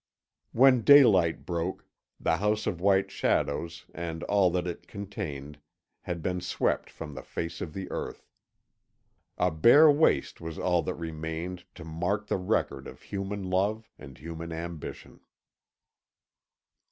When daylight broke, the House of White Shadows, and all that it contained, had been swept from the face of the earth. A bare waste was all that remained to mark the record of human love and human ambition.